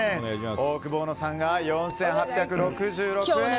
オオクボーノさんが４８６６円。